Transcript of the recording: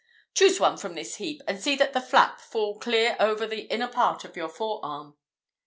Choose one from this heap; and see that the flap fall clear over the inner part of your fore arm."